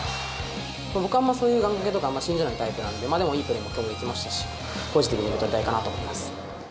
僕はあんまりそんな願かけとかそういうのを信じないタイプなんで、でもいいプレーもきょうできましたし、ポジティブに取りたいかなと思います。